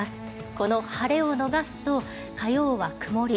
この晴れを逃すと火曜は曇り